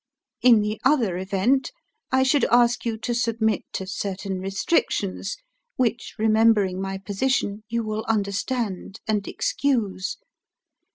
"In the other event, I should ask you to submit to certain restrictions, which, remembering my position, you will understand and excuse.